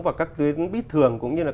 và các tuyến bíp thường cũng như là